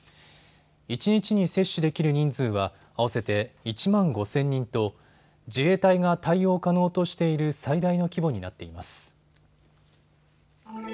一日に接種できる人数は合わせて１万５０００人と自衛隊が対応可能としている最大の規模になっています。